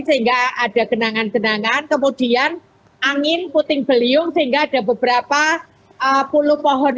sehingga ada genangan genangan kemudian angin puting beliung sehingga ada beberapa puluh pohon